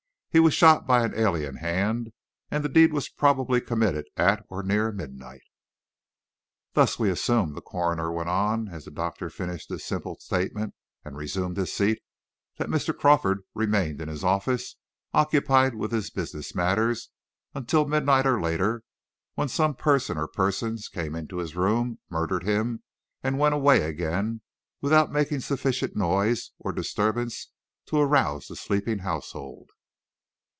He was shot by an alien hand, and the deed was probably committed at or near midnight." "Thus we assume," the coroner went on, as the doctor finished his simple statement and resumed his seat, "that Mr. Crawford remained in his office, occupied with his business matters, until midnight or later, when some person or persons came into his room, murdered him, and went away again, without making sufficient noise or disturbance to arouse the sleeping household."